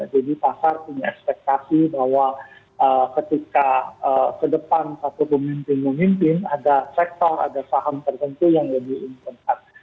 jadi pasar punya ekspektasi bahwa ketika ke depan satu pemimpin pemimpin ada sektor ada saham tertentu yang lebih important